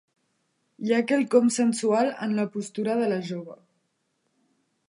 Hi ha quelcom sensual en la postura de la jove.